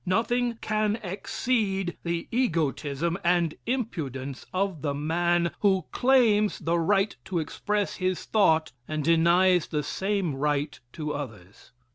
Nothing can exceed the egotism and impudence of the man who claims the right to express his thought and denies the same right to others.